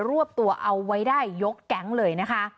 รวบตัวเอาไว้ได้ยกแก๊งเลยนะคะ